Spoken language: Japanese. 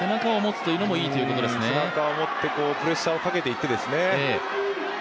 背中を持って、プレッシャーをかけていってですね。